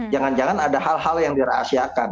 jangan jangan ada hal hal yang dirahasiakan